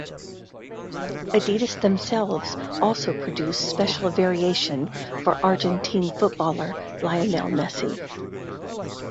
Adidas themselves also produce special variation for Argentine Footballer Lionel Messi.